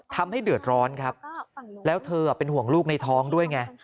ทำให้เดือดร้อนครับแล้วเธอเป็นห่วงลูกในท้องด้วยไง